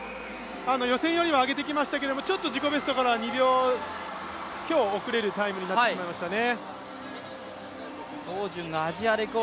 予選よりは上げてきましたけど、自己ベストからは２秒強遅れるタイムになってしまいましたね。